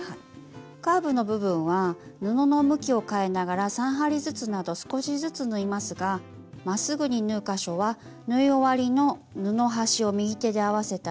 カーブの部分は布の向きを変えながら３針ずつなど少しずつ縫いますがまっすぐに縫う箇所は縫い終わりの布端を右手で合わせたら。